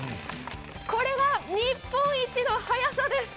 これが日本一の速さです！